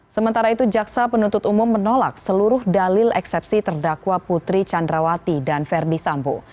sementara itu jaksa penuntut umum menolak seluruh dalil eksepsi terdakwa putri candrawati dan verdi sambo